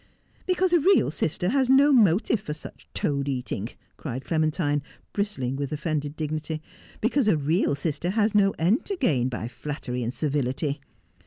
' Because a real sister has no motive for such toad eating,' cried Clementine, bristling with offended dignity. 'Because a real sister has no end to gain by flattery and servility.